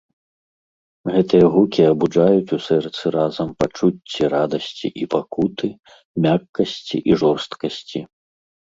Гэтыя гукі абуджаюць у сэрцы разам пачуцці радасці і пакуты, мяккасці і жорсткасці.